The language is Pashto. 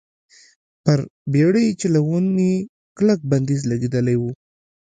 پر بېړۍ چلونې کلک بندیز لګېدلی و.